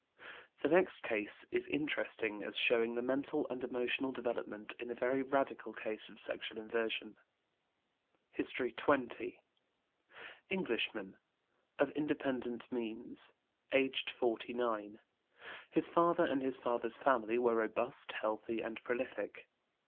The next case is interesting as showing the mental and emotional development in a very radical case of sexual inversion. HISTORY XX. Englishman, of independent means, aged 49. His father and his father's family were robust, healthy, and prolific.